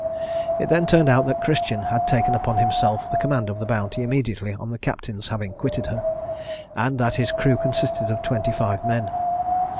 It then turned out that Christian had taken upon himself the command of the Bounty immediately on the captain's having quitted her, and that his crew consisted of twenty five men.